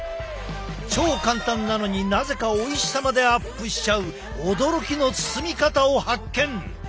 超簡単なのになぜかおいしさまでアップしちゃう驚きの包み方を発見！